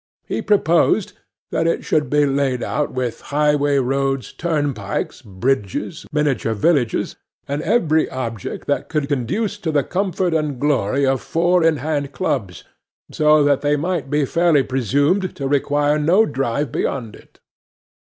He proposed that it should be laid out with highway roads, turnpikes, bridges, miniature villages, and every object that could conduce to the comfort and glory of Four in hand Clubs, so that they might be fairly presumed to require no drive beyond it.